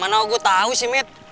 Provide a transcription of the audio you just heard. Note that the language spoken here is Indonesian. mana aku tau sih med